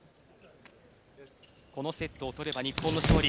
このセットを取れば日本の勝利。